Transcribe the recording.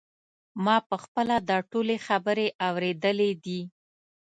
ما په خپله دا ټولې خبرې اورېدلې دي.